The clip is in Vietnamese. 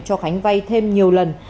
cho khánh vay thêm nhiều lần